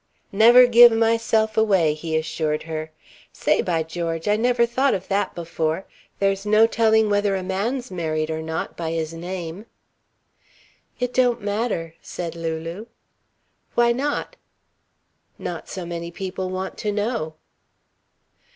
"Never give myself away," he assured her. "Say, by George, I never thought of that before! There's no telling whether a man's married or not, by his name!" "It don't matter," said Lulu. "Why not?" "Not so many people want to know."